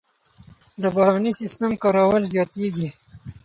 د باراني سیستم کارول زیاتېږي.